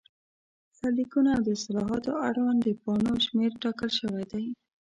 سرلیکونه، او د اصطلاحاتو اړوند د پاڼو شمېر ټاکل شوی دی.